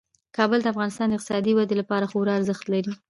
کابل د افغانستان د اقتصادي ودې لپاره خورا ارزښت لري.